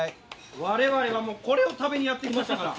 われわれはこれを食べにやって来ましたから。